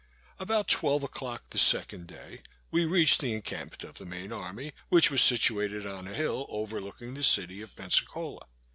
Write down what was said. About twelve o'clock the second day, we reached the encampment of the main army, which was situated on a hill, overlooking the city of Pensacola.